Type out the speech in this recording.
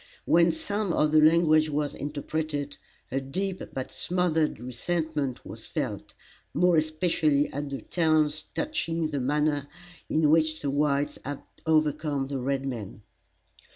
When some of the language was interpreted, a deep but smothered resentment was felt; more especially at the taunts touching the manner in which the whites had overcome the red men.